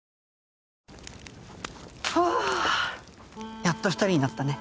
やっと２人になったね。